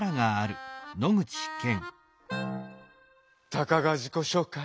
たかが自己紹介。